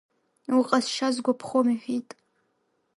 Лҟазшьа сгәаԥхом иҳәеит.